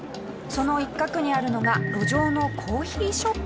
その一角にあるのが路上のコーヒーショップ。